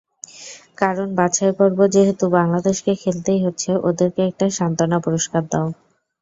কারণ, বাছাই পর্ব যেহেতু বাংলাদেশকে খেলতেই হচ্ছে, ওদেরকে একটা সান্ত্বনা পুরস্কার দাও।